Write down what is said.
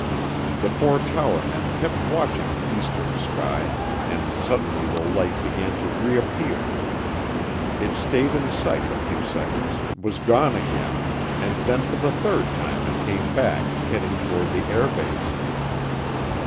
The four tower men kept watching the eastern sky, and suddenly the light began to reappear. It stayed in sight a few seconds, was gone again, and then for the third time it came back, heading toward the air base.